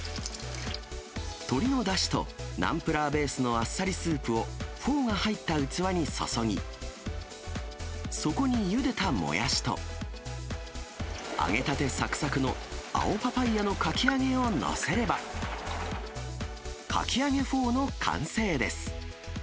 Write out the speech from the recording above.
鶏のだしとナンプラーベースのあっさりスープを、フォーが入った器に注ぎ、そこにゆでたもやしと揚げたてさくさくの青パパイヤのかき揚げを載せれば、かき揚げフォーの完成です。